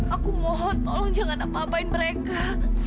aku mohon tolong jangan apa apain mereka